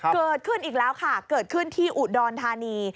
เกิดขึ้นอีกแล้วค่ะเกิดขึ้นที่อุดรธานี